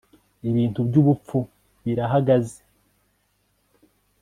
ibintu byubupfu birahagaze